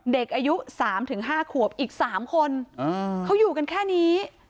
เด็กอายุ๓๕ขวบอีก๓คนเขาอยู่กันแค่นี้